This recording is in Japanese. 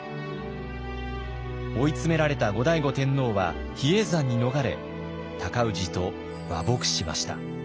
追い詰められた後醍醐天皇は比叡山に逃れ尊氏と和睦しました。